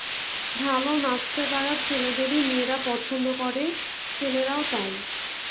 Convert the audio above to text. ভালো নাচতে পারা ছেলেদেরই মেয়েরা পছন্দ করে, ছেলেরাও তাই।